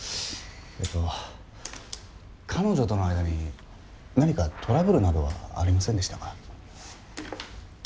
えっと彼女との間になにかトラブルなどはありませんでしたか？